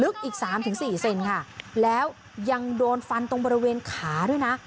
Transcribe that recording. ลึกอีก๓๔เซนติเมตรค่ะแล้วยังโดนฟันตรงบริเวณขาด้วยนะ